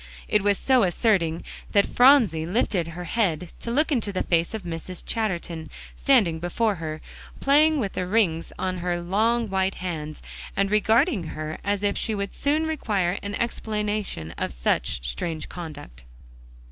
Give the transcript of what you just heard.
It was so asserting that Phronsie lifted her head to look into the face of Mrs. Chatterton, standing before her, playing with the rings on her long white hands, and regarding her as if she would soon require an explanation of such strange conduct.